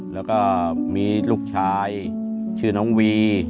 แล้วก็มีลูกชายชื่อน้องวี